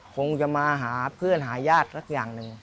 คงจะมาหาเพื่อนหาญาติสักอย่างหนึ่ง